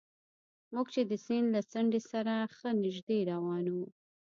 موږ چې د سیند له څنډې سره ښه نژدې روان وو.